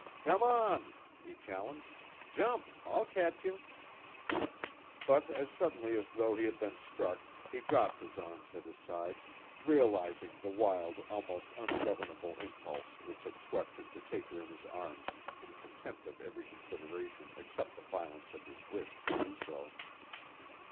"Come on!" he challenged. "Jump, I'll catch you." But as suddenly as though he had been struck, he dropped his arms at his sides, realizing the wild, almost ungovernable impulse which had swept him to take her in his arms in contempt of every consideration except the violence of his wish to do so.